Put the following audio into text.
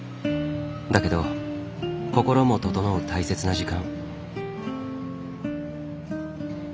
だけど心も整う大切な時間。